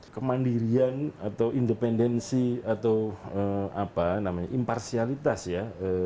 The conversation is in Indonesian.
kemandirian atau independensi atau apa namanya imparsialitas ya